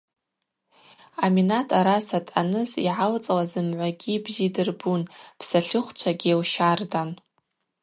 Аминат араса дъаныз йгӏалцӏла зымгӏвагьи бзи дырбун псатлыхвчвагьи лщардан.